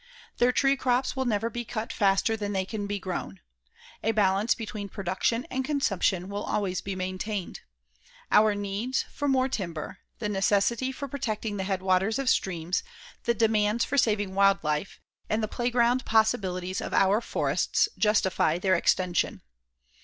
Their tree crops will never be cut faster than they can be grown. A balance between production and consumption will always be maintained. Our needs for more timber, the necessity for protecting the headwaters of streams, the demands for saving wild life, and the playground possibilities of our forests justify their extension.